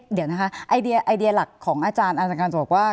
เดี๋ยวนะคะไอเดียไอเดียหลักของอาจารย์อาจารย์จะบอกว่า